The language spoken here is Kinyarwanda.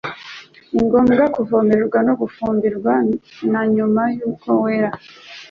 ningombwa kuvomererwa no gufumbirwa na nyuma y'uko wera